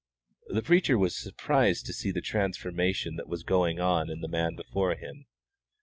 The preacher was surprised to see the transformation that was going on in the man before him.